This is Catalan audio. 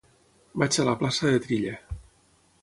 Vaig a la plaça de Trilla.